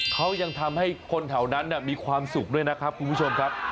เขายังทำให้คนแถวนั้นมีความสุขด้วยนะครับคุณผู้ชมครับ